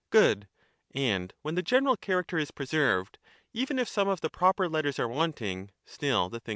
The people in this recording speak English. Good; and when the general character is preserved, We shall only even if some of the proper letters are wanting, still the thing '■''^'"^""'^••.